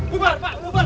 gubar pak gubar